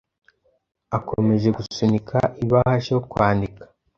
akomeje gusunika ibahasha yo kwandika